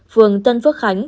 phường tân phước khánh